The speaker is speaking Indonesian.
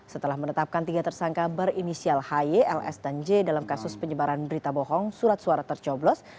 setelah menetapkan tiga tersangka berinisial hy ls dan j dalam kasus penyebaran berita bohong surat suara tercoblos